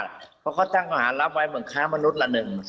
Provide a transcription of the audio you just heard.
เพราะเขาตั้งข้อหารับไว้เหมือนค้ามนุษย์ละหนึ่ง